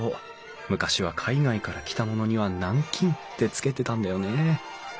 昔は海外から来たものには南京って付けてたんだよね。